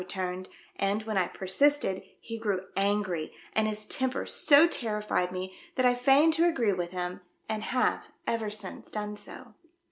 urned, and, when I persisted, he grew angry, and his temper so terrified me that I 13^ THE DEATH SHIP. feigned to agree with him, and have ever since done so."